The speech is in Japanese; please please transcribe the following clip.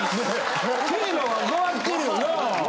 テーマが変わってるよなぁ。